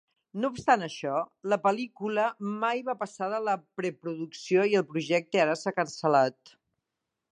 No obstant això, la pel·lícula mai va passar de la preproducció i el projecte ara s'ha cancel·lat.